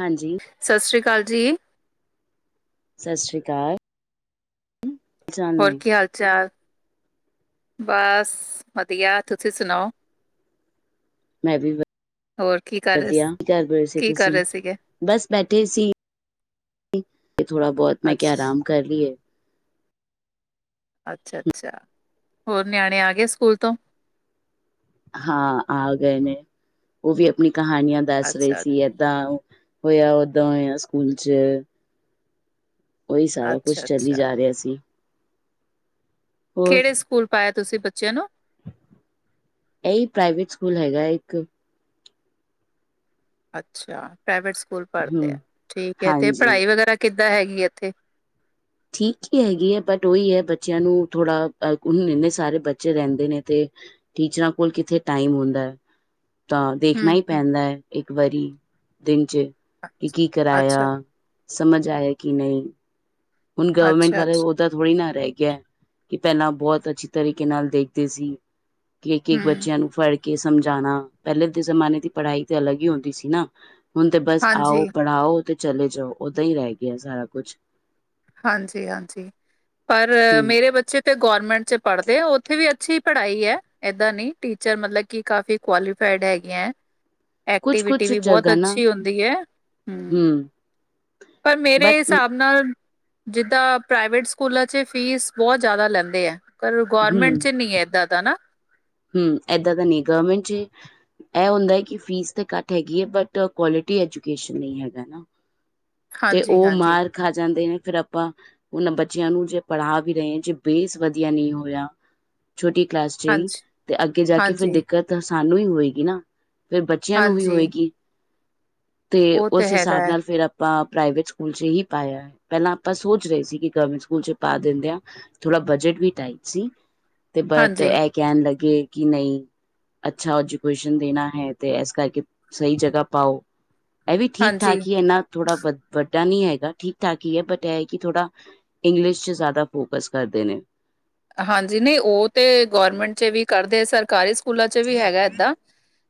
ਹਾਂਜੀ ਸਤਿ ਸ਼੍ਰੀ ਅਕਾਲ ਜੀ ਸਤਿ ਸ਼੍ਰੀ ਅਕਾਲ ਚਾਲ ਨੇ ਹੋਰ ਕੀ ਹਾਲ ਚਾਲ? ਬਸ ਵਧੀਆ ਤੁਸੀਂ ਸੁਣਾਓ ਮੈਂ ਵੀ ਹੋਰ ਕੀ ਕਰ ਰਹੇ ਸ- ਵਧੀਆ ਕਰਦੀ ਸੀ। ਕੀ ਕਰ ਤੁਸੀਂ ਰਹੇ ਸੀਗੇ? ਬਸ ਬੈਠੇ ਸੀ ਕਿ ਥੋੜਾ ਬਹੁਤ ਮੈਂ ਅੱਛ ਕਿਹਾ ਆਰਾਮ ਕਰ ਲਈਏ ਅੱਛਾ- ਅੱਛਾ, ਹੋਰ ਨਿਆਣੇ ਆ ਗਏ ਸਕੂਲ ਤੋਂ। ਹਾਂ ਆ ਗਏ ਨੇ, ਉਹ ਵੀ ਆਪਣੀ ਕਹਾਣੀਆਂ ਦੱਸ ਰਹੇ ਅੱਛਾ, ਸੀ। ਏਦਾਂ ਹੋਇਆ, ਓਦਾਂ ਹੋਇਆ ਸਕੂਲ ਚ। ਉਹੀ ਸਾਰਾ ਕੁਛ ਚੱਲੀ ਅੱਛਾ-ਅੱਛਾ, ਜਾ ਰਿਹਾ ਸੀ। ਹੋਰ ਕਿਹੜੇ ਸਕੂਲ ਪਾਇਆ, ਤੁਸੀਂ ਬੱਚਿਆਂ ਨੂੰ। ਇਹੀ ਪ੍ਰਾਈਵੇਟ ਸਕੂਲ ਹੈਗਾ ਇੱਕ ਅੱਛਾ ਪ੍ਰਾਈਵੇਟ ਸਕੂਲ ਹੂੰ ਪੜ੍ਹਦੇ ਆ ਠੀਕ ਐ, ਤੇ ਹਾਂਜੀ। ਪੜ੍ਹਾਈ ਵਗੈਰਾ ਕਿੱਦਾਂ ਹੈਗੀ ਐ ਇੱਥੇ। ਠੀਕ ਹੀ ਹੈਗੀ ਐ, ਬਟ ਉਹੀ ਐ ਬੱਚਿਆਂ ਨੂੰ ਥੋੜਾ ਇੰਨੇ ਸਾਰੇ ਬੱਚੇ ਰਹਿੰਦੇ ਨੇ ਤੇ- ਟੀਚਰਾਂ ਕੋਲ ਕਿੱਥੇ ਟਾਈਮ ਹੁੰਦਾ। ਤਾਂ ਹੂੰ, ਦੇਖਣਾ ਹੀ ਹੂੰ, ਪੈਂਦਾ, ਇੱਕ ਵਾਰੀ ਦਿਨ ਚ ਅੱਛਾ, ਕੀ ਕਰਾਇਆ। ਅੱਛਾ, ਸਮਝ ਆਇਆ ਕਿ ਨਹੀਂ, ਹੁਣ ਗਵਰਮੈਂਟ ਅੱਛਾ, ਬਾਰੇ ਅੱਛਾ, ਬਹੁ ਪਤਾ ਥੋੜ੍ਹੀ ਨਾ ਰਹਿ ਗਿਆ, ਕਿ ਪਹਿਲਾਂ ਬਹੁਤ ਅੱਛੀ ਤਰੀਕੇ ਨਾਲ ਦੇਖਦੇ ਸੀ। ਕਿ ਇੱਕ- ਇੱਕ ਹੂੰ, ਬੱਚਿਆਂ ਨੂੰ ਫੜ ਕੇ ਸਮਝਾਣਾ, ਪਹਿਲੇ ਦੇ ਜ਼ਮਾਨੇ ਦੀ ਪੜ੍ਹਾਈ ਤੇ ਅਲੱਗ ਹੀ ਹੁੰਦੀ ਸੀ ਨਾ। ਹੁਣ ਤੇ ਬਸ ਆਓ, ਹਾਂਜੀ, ਪੜ੍ਹਾਓ ਤੇ ਚਲੇ ਜਾਓ, ਉਦਾਂ ਹੀ ਰਹਿ ਗਿਆ ਸਾਰਾ ਕੁਛ। ਹਾਂਜੀ- ਹਾਂਜੀ, ਪਰ ਹਮ ਮੇਰੇ ਬੱਚੇ ਤੇ ਗੌਰਮਿੰਟ ਚ ਪੜ੍ਹਦੇ ਆ, ਉੱਥੇ ਵੀ ਅੱਛੀ ਪੜ੍ਹਾਈ ਐ, ਏਦਾਂ ਨੀ ਟੀਚਰ ਮਤਲਬ ਕੀ ਕਾਫੀ ਕੁਆਲੀਫਾਈਡ ਹੈਗੇ ਐ? ਕੁਛ ਐਕਟੀਵਿਟੀ ਕੁਛ ਵੀ ਬਹੁਤ ਜਗ੍ਹਾ ਨਾ ਅੱਛੀ ਹੁੰਦੀ ਐ, ਹੂੰ। ਹਮ ਪਰ ਮੇਰੇ ਬਟ ਹਿਸਾਬ ਨਾਲ ਜਿਦਾਂ ਪ੍ਰਾਈਵੇਟ ਸਕੂਲਾਂ ਚ ਫੀਸ ਬਹੁਤ ਜ਼ਿਆਦਾ ਲੈਂਦੇ ਐ ਪਰ ਗੌਰਮੈਂਟ ਚ ਨਹੀਂ ਐ ਏਦਾਂ ਦਾ। ਹੂੰ, ਏਦਾਂ ਦਾ ਨੀ ਗੌਰਮੈਂਟ ਚ। ਇਹ ਹੁੰਦਾ ਹੈ ਕਿ ਫੀਸ ਤੇ ਘੱਟ ਹੈਗੀ ਐ, ਬਟ ਕੁਆਲਿਟੀ ਐਜੂਕੇਸ਼ਨ ਨਹੀਂ ਹੈਗਾ ਨਾ। ਤੇ ਹਾਂਜੀ ਉਹ ਹਾਂਜੀ ਮਾਰ ਖਾ ਜਾਂਦੇ ਨੇ, ਫਿਰ ਆਪਾਂ ਉਹਨਾਂ ਬੱਚਿਆਂ ਨੂੰ ਜੇ ਪੜ੍ਹਾ ਵੀ ਰਹੇ, ਜੇ ਬੇਸ ਵਧੀਆ ਨਹੀਂ ਹੋਇਆ ਛੋਟੀ ਕਲਾਸ ਚ ਹੀ, ਹਾਂਜੀ ਤੇ ਅੱਗੇ ਜਾ ਕੇ ਫਿਰ ਹਾਂਜੀ ਦਿੱਕਤ ਸਾਨੂੰ ਹੀ ਹੋਏਗੀ ਨਾ। ਫਿਰ ਬੱਚਿਆਂ ਨੂੰ ਵੀ ਹਾਂਜੀ ਹੋਏਗੀ, ਤੇ ਉਹ ਉਸ ਹੈਗਾ ਹਿਸਾਬ ਹੈ ਨਾਲ ਫਿਰ ਆ ਆਪਾਂ ਪ੍ਰਾਈਵੇਟ ਸਕੂਲ ਚ ਹੀ ਪਾਇਆ, ਪਹਿਲਾਂ ਆਪਾਂ ਸੋਚ ਰਹੇ ਸੀ ਕਿ ਗਵਰਮੈਂਟ ਸਕੂਲ ਚ ਪਾ ਦਿੰਦੇ ਆਂ। ਥੋੜ੍ਹਾ ਬਜਟ ਵੀ ਟਾਈਟ ਸੀ, ਤੇ ਬਟ ਹਾਂਜੀ ਇਹ ਕਹਿਣ ਲੱਗੇ ਕਿ ਨਹੀਂ। ਅੱਛਾ ਐਜੂਕੇਸ਼ਨ ਦੇਣਾ ਹੈ, ਤੇ ਇਸ ਕਰਕੇ ਸਹੀ ਜਗ੍ਹਾ ਪਾਓ। ਇਹ ਵੀ ਠੀਕ ਹਾਂਜੀ ਠਾਕ ਹੀ ਇੰਨਾ ਥੋੜਾ ਵ ਵੱਡਾ ਨੀ ਹੈਗਾ, ਠੀਕ ਠਾਕ ਹੀ ਐ ਬਟ ਐਹ ਕਿ ਥੋੜਾ ਇੰਗਲਿਸ਼ ਚ ਜ਼ਿਆਦਾ ਫੋਕਸ ਕਰਦੇ ਨੇ। ਹਾਂਜੀ ਨਹੀਂ ਉਹ ਤੇ ਗੌਰਮੈਂਟ ਚ ਵੀ ਕਰਦੇ, ਸਰਕਾਰੀ ਸਕੂਲਾਂ ਚ ਵੀ ਹੈਗਾ ਏਦਾਂ।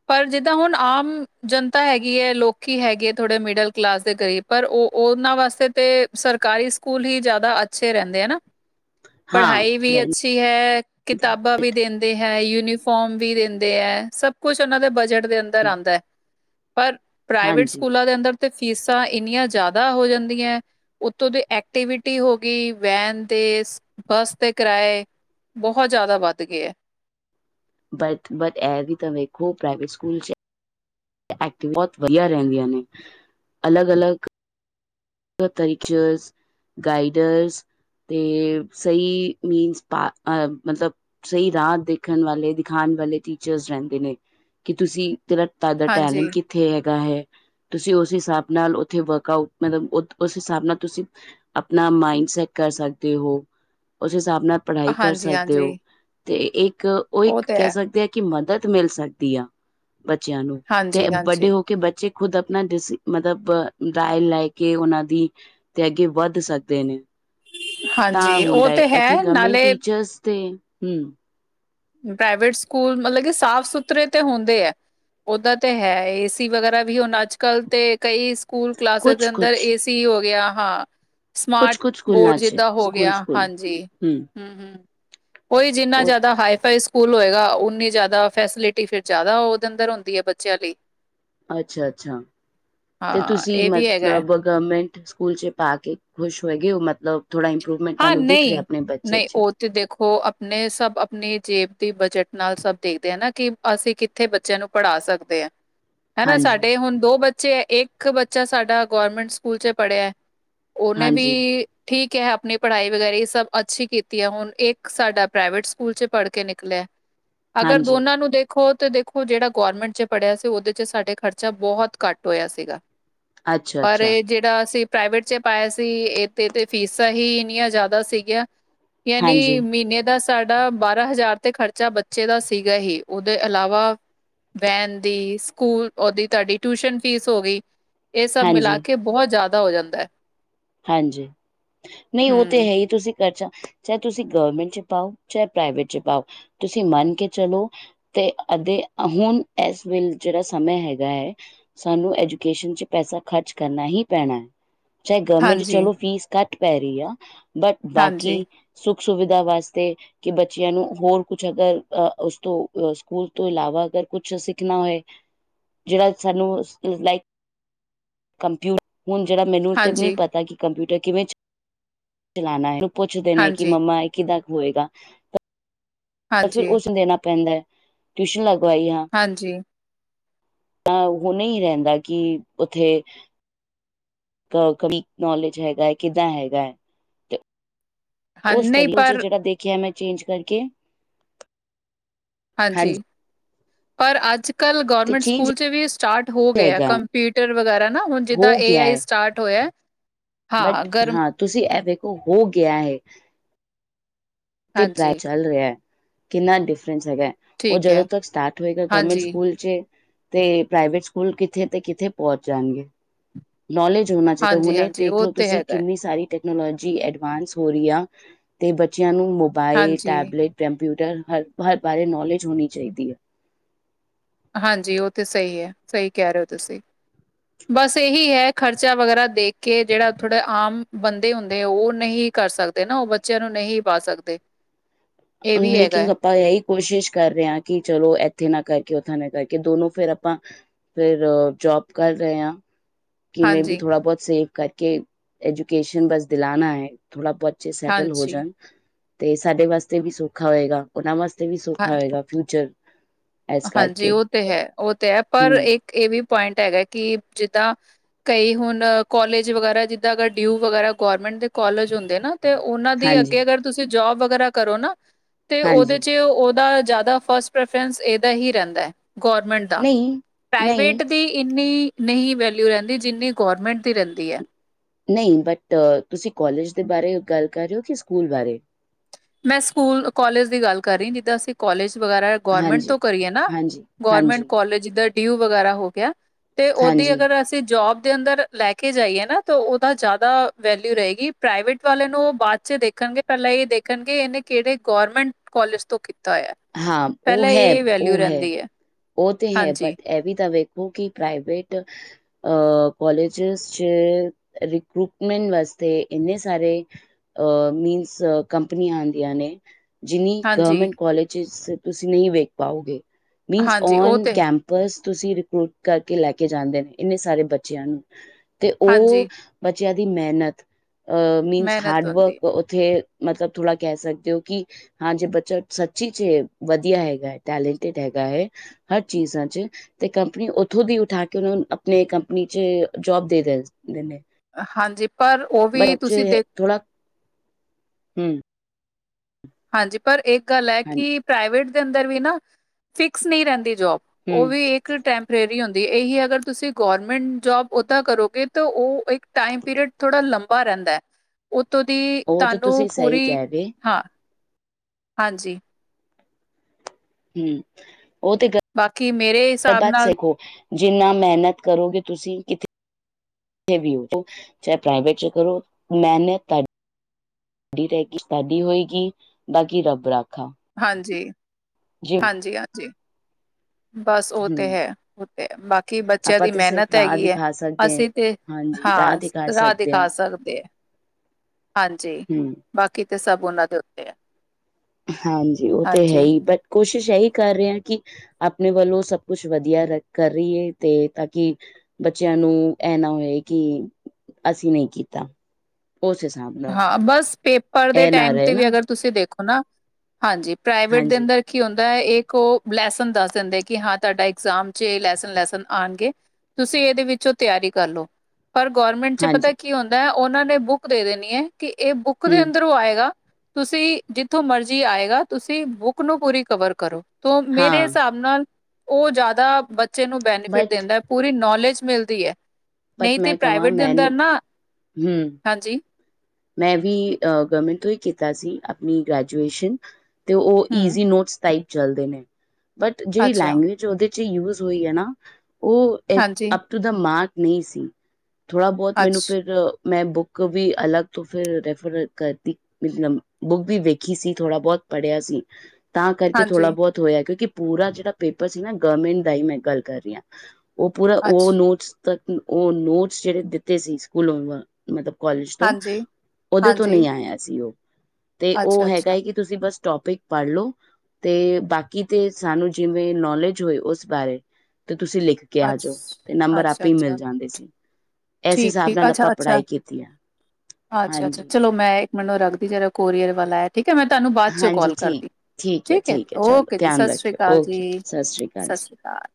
ਪਰ ਜਿੱਦਾਂ ਹੁਣ ਆਮ ਜਨਤਾ ਹੈਗੀ ਐ, ਲੋਕੀ ਹੈਗੇ ਏ ਥੋੜੇ ਮਿਡਲ ਕਲਾਸ ਦੇ ਕਰੀਬ ਪਰ ਉਹ ਉਹਨਾਂ ਵਾਸਤੇ ਤੇ ਸਰਕਾਰੀ ਸਕੂਲ ਹੀ ਜ਼ਿਆਦਾ ਅੱਛੇ ਰਹਿੰਦੇ ਆ ਨਾ। ਹਾਂ, ਪੜ੍ਹਾਈ ਵੀ ਅੱਛੀ ਹੈ। ਕਿਤਾਬਾਂ ਵੀ ਦਿੰਦੇ ਹੈ, ਯੂਨੀਫਾਰਮ ਵੀ ਦਿੰਦੇ ਐ, ਸਭ ਕੁਛ ਉਹਨਾਂ ਦੇ ਬਜਟ ਦੇ ਅੰਦਰ ਆਂਦਾ, ਪਰ ਪ੍ਰਾਈਵੇਟ ਹਾਂਜੀ ਸਕੂਲਾਂ ਦੇ ਅੰਦਰ ਤੇ ਫੀਸਾਂ ਇੰਨੀਆਂ ਜ਼ਿਆਦਾ ਹੋ ਜਾਂਦੀਆਂ ਉੱਥੋਂ ਦੀ ਐਕਟੀਵਿਟੀ ਹੋ ਗਈ ਵੈਨ ਦੇ ਬੱਸ ਤੇ ਕਿਰਾਏ ਬਹੁਤ ਜ਼ਿਆਦਾ ਵੱਧ ਗਏ ਹੈ ਬਟ- ਬਟ ਇਹ ਵੀ ਤਾਂ ਵੇਖੋ, ਪ੍ਰਾਈਵੇਟ ਸਕੂਲ ਚ ਐਕਟ ਬਹੁਤ ਵਧੀਆ ਰਹਿੰਦੀਆਂ ਨੇ, ਅਲੱਗ- ਅਲੱਗ ਟਰੀਚਜ਼, ਗਾਈਡਰਜ਼ ਤੇ ਸਹੀ ਮੀਨਸ ਪਾ ਅ ਮਤਲਬ ਸਹੀ ਰਾਹ ਦੇਖਣ ਵਾਲੇ ਦਿਖਾਣ ਵਾਲੇ ਟੀਚਰਜ਼ ਰਹਿੰਦੇ ਨੇ, ਕਿ ਤੁਸੀਂ ਤੇਰਾ ਤੁਹਾਡਾ ਹਾਂਜੀ, ਟੈਲੈਂਟ ਕਿੱਥੇ ਹੈਗਾ ਹੈ, ਤੁਸੀਂ ਉਸ ਹਿਸਾਬ ਨਾਲ ਉੱਥੇ ਵਰਕ ਆਊਟ ਮਤਲਬ ਉਸ ਹਿਸਾਬ ਨਾਲ ਤੁਸੀਂ ਆਪਣਾ ਮਾਇੰਡ ਸੈਟ ਕਰ ਸਕਦੇ ਹੋ, ਉਸ ਹਿਸਾਬ ਨਾਲ ਪੜ੍ਹਾਈ ਕਰ ਸਕਦੇ ਹਾਂਜੀ-ਹਾਂਜੀ ਹੋ, ਤੇ ਇੱਕ ਉਹ ਇੱਕ ਤੇ ਕਹਿ ਹੈ। ਸਕਦੇ ਹਾਂ ਕਿ ਮਦਦ ਮਿਲ ਸਕਦੀ ਆ ਬੱਚਿਆਂ ਨੂੰ, ਤੇ ਵੱਡੇ ਹਾਂਜੀ-ਹਾਂਜੀ। ਹੋ ਕੇ ਬੱਚੇ ਕੀ ਖੁਦ ਆਪਣਾ ਮਤਲਬ ਰਾਏ ਲੈ ਕੇ ਉਹਨਾਂ ਦੀ ਤੇ ਅੱਗੇ ਵੱਧ ਸਕਦੇ ਨੇ ਤਾਂ ਹਾਂਜੀ ਉਹ ਹੁੰਦਾ ਹੈ ਤੇ ਇੱਥੇ ਗਵਰਮੈਂਟ ਨਾਲੇ ਟੀਚਰਸ ਤੇ ਹਮ ਪ੍ਰਾਈਵੇਟ ਸਕੂਲ ਮਤਲਬ ਕਿ ਸਾਫ ਸੁਥਰੇ ਤੇ ਹੁੰਦੇ ਹੈ ਓਦਾਂ ਤਾਂ ਹੈ ਏਸੀ ਵਗੈਰਾ ਵੀ ਹੁਣ ਅੱਜ ਕੱਲ੍ਹ ਤੇ ਕਈ ਸਕੂਲ ਕਲਾਸ ਕੁਛ ਦੇ ਅੰਦਰ ਕੁਛ ਏ ਸੀ ਹੋ ਗਿਆ ਹਾਂ ਕੁਛ ਸਮਾਰਟ ਕੁਛ ਖੁੱਲਣਾ ਬੋਰਡ ਚ ਜਿੱਦਾਂ ਹੋ ਸਕੂਲ ਗਿਆ ਸਕੂਲ ਹਾਂਜੀ ਹਮ ਹ ਉਹੀ ਜਿੰਨਾ ਉਹ ਜ਼ਿਆਦਾ ਹਾਈ ਸਕੂਲ ਹੋਏਗਾ ਉਨੀ ਜ਼ਿਆਦਾ ਫੈਸਿਲਿਟੀ ਫਿਰ ਜ਼ਿਆਦਾ ਉਹਦੇ ਅੰਦਰ ਹੁੰਦੀ ਹੈ ਬੱਚਿਆਂ ਲਈ ਅੱਛਾ ਅੱਛਾ ਤੇ ਹਾਂ ਤੁਸੀਂ ਇਹ ਵੀ ਹੈਗਾ ਹੈ। ਮਤਲਬ ਗਵਰਮੈਂਟ ਸਕੂਲ ਚ ਪਾ ਕੇ ਖੁਸ਼ ਹੈਗੇ ਹੋ ਮਤਲਬ ਥੋੜਾ ਇੰਪ੍ਰੂਵਮੈਂਟ ਹਾਂ ਤਾਨੁ ਦਿਖ ਰਿਹਾ ਨਹੀਂ ਆਪਣੇ ਬੱਚੇ ਨਹੀਂ ਚ ਉਹ [unintelligible] ਤੇ ਦੇਖੋ ਆਪਣੇ ਸਭ ਆਪਣੀ ਜੇਬ ਦੀ ਬਜਟ ਨਾਲ ਸਭ ਦੇਖਦੇ ਨਾ ਕਿ ਅਸੀਂ ਕਿ ਇੱਥੇ ਬੱਚਿਆਂ ਨੂੰ ਪੜ੍ਹਾ ਸਕਦੇ ਹੈ [unintelligible] ਹਨਾ ਹਾਂਜੀ ਸਾਡੇ ਹੁਣ ਦੋ ਬੱਚੇ ਹੈ ਇੱਕ ਬੱਚਾ ਸਾਡਾ ਗੌਰਮੈਂਟ ਸਕੂਲ ਚ ਪੜ੍ਹਿਆ ਹੈ ਉਹਨੇ ਵੀ ਹਾਂਜੀ ਠੀਕ ਹੈ ਆਪਣੇ ਪੜ੍ਹਾਈ ਵਗੈਰਾ ਇਹ ਸਭ ਅੱਛੀ ਕੀਤੀ ਹੈ ਹੁਣ ਇੱਕ ਸਾਡਾ ਪ੍ਰਾਈਵੇਟ ਸਕੂਲ ਚ ਪੜ੍ਹ ਕੇ ਨਿਕਲਿਆ ਅਗਰ ਹਾਂਜੀ ਦੋਨਾਂ ਨੂੰ ਦੇਖ ਦੇਖੋ ਤੇ ਦੇਖੋ ਜਿਹੜਾ ਗੋਰਮੈਂਟ ਚ ਪੜ੍ਹਿਆ ਸੀ ਉਹਦੇ ਚ ਸਾਡੇ ਖਰਚਾ ਬਹੁਤ ਘੱਟ ਹੋਇਆ ਸੀਗਾ ਅੱਛਾ ਪਰ ਅੱਛਾ ਇਹ ਜਿਹੜਾ ਅਸੀਂ ਪ੍ਰਾਈਵੇਟ ਚ ਪਾਇਆ ਸੀ ਇਹਦੇ ਤੇ ਫੀਸਾਂ ਹੀ ਜ਼ਿਆਦਾ ਸੀਗੀਆਂ ਯਾਨੀ ਹਾਂਜੀ ਮਹੀਨੇ ਦਾ ਸਾਡਾ ਬਾਰਾਂ ਹਜ਼ਾਰ ਤੇ ਖ਼ਰਚਾ ਬੱਚੇ ਦਾ ਸੀਗਾ ਹੀ ਉਹਦੇ ਇਲਾਵਾ ਵੈਣ ਦੀ ਸਕੂਲ ਓਦੀ ਤੁਹਾਡੀ ਟਿਊਸ਼ਨ ਫੀਸ ਹੋ ਗਈ ਇਹ ਸਭ ਮਿਲਾ ਹਾਂਜੀ ਕੇ ਬਹੁਤ ਜਿਆਦਾ ਹੋ ਜਾਂਦਾ ਹੈ ਹਾਂਜੀ ਨਹੀਂ ਉਹ ਤੇ ਹੂੰ ਹੈ ਹੀ ਤੁਸੀਂ ਕਰਚਾ ਚਾਹੇ ਤੁਸੀਂ ਗਵਰਮੈਂਟ ਚ ਪਾਓ ਚਾਹੇ ਪ੍ਰਾਈਵੇਟ ਚ ਪਾਓ ਤੁਸੀਂ ਮੰਨ ਕੇ ਚਲੋ [unintelligible] ਤੇ ਅਧ ਹੁਣ ਇਸ ਵੇਲੇ ਜਿਹੜਾ ਸਮੇ ਹੈਗਾ ਹੈ [unintelligible] ਸਾਨੂੰ ਐਜੂਕੇਸ਼ਨ ਚ ਪੈਸਾ ਖਰਚ ਕਰਨਾ ਹੀ ਪੈਣਾ ਹੈ ਚਾਹੇ ਗਵਰਮੈਂਟ ਹਾਂਜੀ, ਚਲੋ ਫੀਸ ਘੱਟ ਪੈ ਰਹੀ ਆ ਬਟ ਬਾਕੀ ਹਾਂਜੀ, ਸੁੱਖ ਸੁਵਿਧਾ ਵਾਸਤੇ ਕਿ ਬੱਚਿਆਂ ਨੂੰ ਹੋਰ ਕੁਛ ਅਗਰ ਉਸ ਤੋਂ ਸਕੂਲ ਤੋਂ ਇਲਾਵਾ ਅਗਰ ਕੁਛ ਸਿੱਖਣਾ ਹੋਏ ਜਿਹੜਾ ਸਾਨੂੰ ਲਾਈਕ ਕੰਪਿਊ ਹੁਣ ਜਿਹੜਾ ਮੈਨੂੰ ਤੇ ਨੀ ਹਾਂਜੀ, ਪਤਾ ਕਿ ਕੰਪਿਊਟਰ ਕਿਵੇਂ ਚਲਾਣਾ ਹੈ ਪੁੱਛਦੇ ਨੇ ਕਿ ਹਾਂਜੀ, ਮੰਮਾ ਇਹ ਕਿੱਦਾਂ ਹੋਏਗਾ ਤਾਂ ਫਿਰ ਹਾਂਜੀ, ਉਸਨੂੰ ਦੇਣਾ ਪੈਂਦਾ ਹੈ ਟਿਊਸ਼ਨ ਲਗਵਾਈ ਹਾਂ ਹਾਂਜੀ, ਤਾਂ ਉਹ ਨਹੀਂ ਰਹਿੰਦਾ ਕਿ ਉੱਥੇ ਕਈ ਨੌਲੇਜ ਹੈਗਾ ਹੈ ਕਿੱਦਾਂ ਹੈਗਾ ਹੈ ਤੇ ਹਾਂ ਉਸ ਨਹੀਂ ਤਰੀਕ ਚ ਪਰ ਜਿਹੜਾ ਦੇਖਿਆ ਮੈਂ ਚੇਂਜ ਕਰਕੇ ਹਾਂਜੀ ਪਰ ਅੱਜ ਕੱਲ੍ਹ ਤੇ ਗੌਰਮੈਂਟ ਚੇਂਜ ਸਕੂਲ ਚ ਵੀ ਸਟਾਰਟ ਹੋ ਗਿਆ ਹੈਗਾ ਹੈ, ਕੰਪਿਊਟਰ ਵਗੈਰਾ ਨਾ ਹੁਣ ਜਿੱਦਾਂ ਹੋ ਏ ਗਿਆ ਆਈ ਹੈ। ਸਟਾਰਟ ਹੋਇਆ ਹਾਂ ਬਟ ਗਰਮ ਹਾਂ ਤੁਸੀਂ ਇਹ ਵੇਖੋ ਹੋ ਗਿਆ ਹੈ। ਪ੍ਰ [unintelligible] ਹਾਂਜੀ ਚੱਲ ਰਿਹਾ ਕਿੰਨਾ ਡਿਫਰੈਂਸ ਹੈਗਾ ਉਹ ਠੀਕ ਜਦੋਂ ਹੈ ਤੱਕ ਸਟਾਰਟ ਹੋਏਗਾ ਗਵਰਮੈਂਟ ਹਾਂਜੀ, ਸਕੂਲ ਚ ਤੇ ਪ੍ਰਾਈਵੇਟ ਸਕੂਲ ਕਿੱਥੇ ਤੇ ਕਿੱਥੇ ਪਹੁੰਚ ਜਾਣਗੇ ਨੌਲੇਜ ਹੋਣਾ ਚਾਹੀਦਾ ਹਾਂਜੀ, ਹੁਣ ਇਹ ਹਾਂਜੀ ਉਹ ਦੇਖਲੋ ਤੇ ਤੁਸੀਂ ਹੈਗਾ ਹੈ ਕਿੰਨੀ ਸਾਰੀ ਟੈਕਨੋਲੋਜੀ ਐਡਵਾਂਸ ਹੋ ਰਹੀ ਆ ਤੇ ਬੱਚਿਆਂ ਨੂੰ ਮੋਬਾਇਲ ਹਾਂਜੀ, ਟੈਬਲੇਟ ਕੰਪਿਊਟਰ ਹਰ ਹਰ ਬਾਰੇ ਨੌਲੇਜ ਹੋਣੀ ਚਾਹੀਦੀ ਹੈ ਹਾਂਜੀ ਉਹ ਤੇ ਸਹੀ ਹੈ ਸਹੀ ਕਹਿ ਰਹੇ ਹੋ ਤੁਸੀਂ ਬਸ ਇਹੀ ਹੈ ਖ਼ਰਚਾ ਵਗੈਰਾ ਦੇਖ ਕੇ ਜਿਹੜਾ ਥੋੜਾ ਆਮ ਬੰਦੇ ਹੁੰਦੇ ਉਹ ਨਹੀਂ ਕਰ ਸਕਦੇ ਨਾ ਉਹ ਬੱਚਿਆਂ ਨੂੰ ਨਹੀਂ ਪਾ ਸਕਦੇ ਇਹ ਵੀ ਹੈਗਾ ਲੇਕਿੰਗ [unintelligible] ਹੈ। ਆਪਾਂ ਇਹੀ ਕੋਸ਼ਿਸ਼ ਕਰ ਰਹੇ ਹਾਂ ਕਿ ਚਲੋ ਇੱਥੇ ਨਾ ਕਰਕੇ ਓਥੇ ਨਾ ਕਰਕੇ ਦੋਨੋ ਫੇਰ ਆਪਾਂ ਫਿਰ ਜੋਬ ਕਰ ਰਹੇ ਹਾਂ ਕਿਵੇਂ ਵੀ ਹਾਂਜੀ, ਥੋੜਾ ਬਹੁਤ ਸੇਵ ਕਰਕੇ ਐਜੂਕੇਸ਼ਨ ਬਸ ਦਿਲਾਨਾ ਹੈ। ਥੋੜਾ ਬੱਚੇ ਸੈਟਲ ਹੋ ਹਾਂਜੀ, ਜਾਣ ਤੇ ਸਾਡੇ ਵਾਸਤੇ ਵੀ ਸੌਖਾ ਹੋਏਗਾ। ਉਹਨਾਂ ਵਾਸਤੇ ਵੀ ਹਾਂ ਸੌਖਾ ਹੋਏਗਾ ਫਿਊਚਰ ਇਸ ਹਾਂਜੀ ਕਰਕੇ ਉਹ ਤੇ ਹੈ ਉਹ ਤੇ ਹੈ ਪਰ ਹਮ ਇੱਕ ਇਹ ਵੀ ਪੁਆਇੰਟ ਹੈਗਾ ਕਿ ਜਿੱਦਾਂ ਕਈ ਹੁਣ ਕੋਲਜ ਵਗੈਰਾ ਜਿੱਦਾਂ ਅਗਰ ਡਿਊ ਵਗੈਰਾ ਗੌਰਮੈਂਟ ਦੇ ਕੋਲਜ ਹੁੰਦੇ ਨਾ ਤੇ ਉਹਨਾਂ ਦੀ ਅੱਗੇ ਹਾਂਜੀ ਅਗਰ ਤੁਸੀਂ ਜੋਬ ਵਗੈਰਾ ਕਰੋ ਨਾ ਤੇ ਉਹਦੇ ਹਾਂਜੀ ਚ ਉਹਦਾ ਜ਼ਿਆਦਾ ਫਸਟ ਪ੍ਰੈਫਰੈਂਸ ਇਹਦਾ ਹੀ ਰਹਿੰਦਾ ਹੈ ਗੌਰਮੈਂਟ ਦਾ ਨਹੀਂ ਨਹੀਂ ਪ੍ਰਾਈਵੇਟ ਦੀ ਇੰਨੀ ਨਹੀਂ ਵੈਲਊ ਰਹਿੰਦੀ ਜਿੰਨੀ ਗਰਮੈਂਟ ਦੀ ਰਹਿੰਦੀ ਹੈ ਨਹੀਂ ਬਟ ਤੁਸੀਂ ਕਾਲਜ ਦੇ ਬਾਰੇ ਗੱਲ ਕਰ ਰਹੇ ਹੋ ਕਿ ਸਕੂਲ ਬਾਰੇ ਮੈਂ ਸਕੂਲ ਕੋਲੇਜ ਦੀ ਗੱਲ ਕਰ ਰਹੀ ਜਿੱਦਾਂ ਅਸੀਂ ਕੋਲਜ ਵਗੈਰਾ ਗੌਰਮੈਂਟ ਤੋਂ ਹਾਂਜੀ, ਕਰੀਏ ਨਾ ਹਾਂਜੀ, ਗੌਰਮੈਂਟ ਹਾਂਜੀ, ਕੋਲਜ ਜਿਧਰ ਡਿਊ ਵਗੈਰਾ ਹੋ ਗਿਆ। ਅਤੇ ਉਹਦੀ ਹਾਂਜੀ ਅਗਰ ਅਸੀਂ ਜੋਬ ਦੇ ਅੰਦਰ ਲੈ ਕੇ ਜਾਈਏ ਨਾ ਤਾਂ ਉਹਦਾ ਜ਼ਿਆਦਾ ਵੈਲਿਊ ਰਹੇਗੀ ਪ੍ਰਾਈਵੇਟ ਵਾਲੇ ਨੂੰ ਬਾਅਦ 'ਚ ਦੇਖਣਗੇ ਪਹਿਲਾਂ ਇਹ ਦੇਖ ਦੇਖਣਗੇ ਕਿ ਇਹਨੇ ਕਿਹੜੇ ਗੌਰਮੈਂਟ ਕਾਲਜ ਤੋ ਕੀਤੀ ਹਾਂ ਉਹ ਹੈ ਉਹ ਹੈ ਉਹ ਤੇ ਹੈ ਹਾਂਜੀ ਬਟ ਇਹ ਵੀ ਤਾਂ ਵੇਖੋ ਕਿ ਪ੍ਰਾਈਵੇਟ ਅ ਕੋਾਲਜਿਸ ਚ ਰਿਕਰੂਟਮੈਂਟ ਵਾਸਤੇ ਇੰਨੇ ਸਾਰੇ ਅ ਮੀਨਸ ਕੰਪਨੀਆਂ ਆਉਂਦੀਆਂ ਨੇ ਜਿੰਨੀ ਹਾਂਜੀ ਗੌਰਮੈਂਟ ਕਾਲਜ ਤੁਸੀਂ ਨਹੀਂ ਵੇਖ ਪਾਓਗੇ ਮੀਨਸ ਹਾਂਜੀ ਉਹ ਔਨ ਤੇ ਕੈਂਪ ਬਸ ਤੁਸੀਂ ਰਿਕਰੂਟ ਕਰਕੇ ਲੈ ਕੇ ਜਾਂਦੇ ਨੇ ਇੰਨੇ ਸਾਰੇ ਬੱਚਿਆਂ ਨੂੰ ਤੇ ਉਹ ਹਾਂਜੀ ਬੱਚਿਆਂ ਦੀ ਮਿਹਨਤ ਅ ਮੀਨਸ ਮਿਹਨਤ ਹਾਰਡ ਹੁੰਦੀ ਵਰਕ ਹੈ ਉੱਥੇ ਮਤਲਬ ਥੋੜ੍ਹਾ ਕਹਿ ਸਕਦੇ ਹੋ ਕਿ ਹਾਂਜੀ ਬੱਚਾ ਸ ਚੀਜ਼ ਚ ਵਧੀਆ ਹੈਗਾ ਹੈ ਟੈਲੈਂਟਿਡ ਹੈਗਾ ਹੈ ਹਰ ਚੀਜ਼ਾਂ 'ਚ ਤੇ ਕੰਪਨੀ ਉਥੋਂ ਦੀ ਉਠਾ ਕੇ ਉਹਨਾਂ ਆਪਣੀ ਕੰਪਨੀ 'ਚ ਜੋਬ ਦੇ ਦ ਦਿੰਦੇ ਆ। ਹਾਂਜੀ ਪਰ ਉਹ ਵੀ ਤੁਸੀਂ ਦੇਖ ਥੋੜਾ ਹੂੰ ਹਾਂਜੀ ਪਰ ਇੱਕ ਗੱਲ ਹੈ ਹਾਂਜੀ ਕਿ ਪ੍ਰਾਈਵੇਟ ਦੇ ਅੰਦਰ ਵੀ ਨਾ ਫਿਕਸ ਨਹੀਂ ਰਹਿੰਦੀ ਜੋਬ। ਉਹ ਹੂੰ ਵੀ ਇੱਕ ਟੈਂਪਰੇਰੀ ਹੁੰਦੀ ਇਹੀ ਅਗਰ ਤੁਸੀਂ ਗੌਰਮੈਂਟ ਜੋਬ ਉੱਦਾਂ ਕਰੋਗੇ ਤਾਂ ਉਹ ਇੱਕ ਟਾਈਮ ਪੀਰੀਅਡ ਥੋੜ੍ਹਾ ਲੰਬਾ ਰਹਿੰਦਾ ਹੈ ਉਤੋਂ ਦੀ ਉਹ ਤਾਂ ਤੁਹਾਨੂੰ ਤੁਸੀਂ ਸਹੀ ਪੂਰੀ ਕਹਿ ਰਹੇ ਹਾਂ। ਹਾਂਜੀ। ਹੂੰ ਉਹ ਤੇ ਗ ਬਾਕੀ ਮੇਰੇ ਹਿਸਾਬ ਗੱਲਬਾਤ ਨਾਲ ਸਿੱਖੋ ਜਿੰਨਾ ਮਿਹਨਤ ਕਰੋਗੇ ਤੁਸੀਂ। ਵੀ [unintelligible] ਚਾਹੇ ਪ੍ਰਾਈਵੇਟ ਚ ਕਰੋ ਮੈਨ ਤੁਹਾ [inaudible] ਸਾਡੀ ਰਗੀ [unintelligible] ਸਾਡੀ ਹੋਏਗੀ ਬਾਕੀ ਰੱਬ ਰਾਖਾ [inaudible] ਹਾਂਜੀ, ਜੀ ਹਾਂਜੀ, ਹਾਂਜੀ। ਬਸ ਉਹ ਹੂੰ ਤੇ ਹੈ। [inaudible] ਕਿ ਬੱਚਿਆਂ ਆਪਾਂ ਦੀ ਤੇ ਸਿਰਫ ਮਿਹਨਤ ਰਾਹ ਹੈਗੀ ਏ। ਦਿਖਾ ਸਕਦੇ ਅਸੀਂ ਤਾਂ ਹਾਂਜੀ ਰਾਹ ਹਾਂ ਦਿਖਾ ਰਾਹ ਸਕਦੇ ਹਾਂ ਦਿਖਾ ਸਕਦੇ ਹਾਂ। ਜੀ, ਹੂੰ ਬਾਕੀ ਤਾਂ ਸਭ ਉਹਨਾਂ ਦੇ ਉੱਤੇ ਏ। ਹਾਂਜੀ, ਉਹ ਤਾਂ ਹੈ ਹੀ, ਬਟ ਕੋਸ਼ਿਸ਼ ਇਹੀ ਕਰ ਰਹੇ ਆਂ ਕਿ। ਆਪਣੇ ਵੱਲੋਂ ਸਭ ਕੁਝ ਵਧੀਆ ਕਰੀਏ, ਤਾਂ ਕਿ। ਬੱਚਿਆਂ ਨੂੰ ਇਹ ਨਾ ਹੋਵੇ ਕਿ ਅਸੀਂ ਨਹੀਂ ਕੀਤਾ। ਓਸੇ ਹਿਸਾਬ ਨਾਲ [inaudible] ਹਾਂ, ਬਸ ਪੇਪਰ ਦੇ ਇਹ ਨਾ ਟਾਈਮ ਰਹੇ ਤੇ ਵੀ ਨਾ ਅਗਰ ਤੁਸੀਂ ਦੇਖੋ ਨਾ, ਹਾਂਜੀ, ਪ੍ਰਾਈਵੇਟ ਦੇ ਹਾਂਜੀ ਅੰਦਰ। ਕੀ ਹੁੰਦਾ ਏ, ਇੱਕ ਉਹ ਲੈਸਨ ਦੱਸ ਦਿੰਦੇ ਕਿ ਹਾਂ, ਤੁਹਾਡੇ ਇਗਜ਼ਾਮ 'ਚ ਇਹ ਲੈਸਨ ਲੈਸਨ ਆਉਣਗੇ। ਤੁਸੀਂ, ਇਹਦੇ ਵਿੱਚੋਂ ਤਿਆਰੀ ਕਰ ਲਓ। ਪਰ ਗੌਰਮੈਂਟ'ਚ ਪਤਾ ਹਾਂਜੀ ਕੀ ਹੁੰਦਾ ਏ, ਉਹਨਾਂ ਨੇ ਬੁੱਕ ਦੇ ਦੇਣੀ ਏ ਕਿ ਇਹ ਬੁੱਕ ਦੇ ਹੂੰ ਅੰਦਰੋਂ ਆਏਗਾ, ਤੁਸੀਂ ਜਿੱਥੋਂ ਮਰਜ਼ੀ ਆਏਗਾ, ਤੁਸੀਂ ਬੁੱਕ ਨੂੰ ਪੂਰੀ ਕਵਰ ਕਰੋ। ਤੋ ਮੇਰੇ ਹਾਂ ਹਿਸਾਬ ਨਾਲ, ਉਹ ਜ਼ਿਆਦਾ ਬੱਚੇ ਨੂੰ ਬੈਨੀਫਿਟ ਬਟ ਦਿੰਦਾ। ਪੂਰੀ ਨੌਲੇਜ ਮਿਲਦੀ ਹੈ, ਬਟ ਨਹੀਂ ਤੇ ਮੈਂ ਕਵਾਂ ਪ੍ਰਾਈਵੇਟ ਦੇ ਮੈਂ ਅੰਦਰ ਨਾ, ਹੂੰ ਹਾਂਜੀ। ਮੈਂ ਵੀ ਗਵਰਮੈਂਟ ਤੋਂ ਹੀ ਕੀਤਾ ਸੀ ਆਪਣੀ ਗ੍ਰੈਜੂਏਸ਼ਨ ਤੇ ਉਹ ਹੂੰ, ਈਜ਼ੀ ਨੋਟਸ ਟਾਈਪ ਚੱਲਦੇ ਨੇ, ਬਟ ਜਿਹੜੀ ਅੱਛਾ, ਲੈਂਗੁਏਜ ਉਹਦੇ ਚ ਯੂਜ ਹੋਈ ਹੈ ਨਾ, ਉਹ ਹਾਂਜੀ, ਅਪ ਟੂ ਦਾ ਮਾਰਕ ਨਹੀਂ ਸੀ। ਥੋੜਾ ਬਹੁਤ ਅੱਛ, ਮੈਨੂੰ, ਫਿਰ ਮੈਂ ਬੁੱਕ ਵੀ ਅਲੱਗ ਤੋਂ ਫਿਰ ਰੈਫਰ ਕਰਤੀ, ਮੈਂ ਬੁੱਕ ਵੀ ਵੇਖੀ ਸੀ, ਥੋੜਾ ਬਹੁਤ ਪੜ੍ਹਿਆ ਸੀ। ਤਾਂ ਕਰਕੇ ਥੋੜ੍ਹਾ ਹਾਂਜੀ, ਬਹੁਤ ਹੋਇਆ, ਕਿਉਂਕਿ ਪੂਰਾ ਜਿਹੜਾ ਪੇਪਰ ਸੀ ਨਾ, ਗਵਰਨਮੈਂਟ ਦਾ ਹੀ ਮੈਂ ਗੱਲ ਕਰ ਰਹੀ ਹਾਂ। ਉਹ ਪੂਰਾ, ਉਹ ਅੱਛ, ਨੋਟਸ ਤੱਕ ਉਹ ਨੋਟਸ ਜਿਹੜੇ ਦਿੱਤੇ ਸੀ, ਸਕੂਲੋਂ ਵਾ ਮਤਲਬ, ਕਾਲਜ ਤੋ ਹਾਂਜੀ, ਓਦੇ ਤੋਂ ਹਾਂਜੀ। ਨਹੀਂ ਆਇਆ ਸੀ ਉਹ, ਤੇ ਉਹ ਹੈਗਾ ਅੱਛਾ-ਅੱਛਾ, ਏ ਕਿ, ਤੁਸੀਂ ਬਸ ਟੋਪਿਕ ਪੜ੍ਹ ਲਓ। ਤੇ ਬਾਕੀ ਤੇ ਸਾਨੂੰ ਜਿਵੇਂ ਨੌਲੇਜ ਹੋਏ, ਉਸ ਬਾਰੇ ਤਾਂ ਤੁਸੀਂ ਲਿਖ ਕੇ ਆ ਅੱਛ ਜਾਓ, ਤੇ ਨੰਬਰ ਆਪੇ ਹੀ ਮਿਲ ਅੱਛਾ-ਅੱਛਾ, ਜਾਂਦੇ ਸੀ। ਇਸ ਹਿਸਾਬ ਠੀਕ-ਠੀਕ, ਨਾਲ ਆਪਾਂ ਪੜ੍ਹਾਈ ਕੀਤੀ ਆ। ਅੱਛਾ -ਅੱਛਾ, ਹਾਂਜੀ ਚਲੋ ਮੈਂ ਇੱਕ ਮਿੰਟ ਰੱਖਦੀ, ਜ਼ਰਾ ਕੋਰੀਅਰ ਵਾਲਾ ਠੀਕ ਐ, ਮੈਂ ਤੁਹਾਨੂੰ ਬਾਅਦ ਚੋਂ ਹਾਂਜੀ ਕਾਲ ਠੀਕ ਕਰਦੀ। ਹੈ ਠੀਕ ਐ ਜੀ। ਹੈ ਚਲੋ ਓਕੇ ਜੀ। ਧਿਆਨ ਸਤਿ ਸ਼੍ਰੀ ਰੱਖਿਓ ਅਕਾਲ ਜੀ। ਓਕੇ ਸਤਿ ਅਕਾਲ ਸਤਿ ਜੀ ਸ਼੍ਰੀ ਅਕਾਲ।